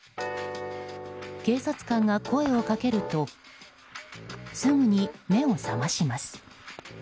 警察官が声をかけるとすぐに目を覚まします。